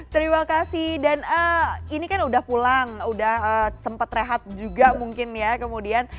terima kasih dan ini kan udah pulang udah sempat rehat juga mungkin ya kemudian